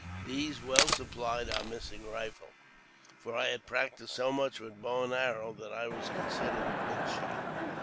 These well supplied our missing rifle, for I had practised so much with bow and arrow that I was considered a good shot.